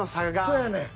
そやねん。